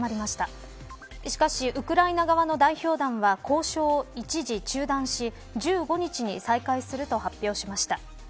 しかし、ウクライナ側の代表団は交渉を一時中断し１５日に再開すると発表しました。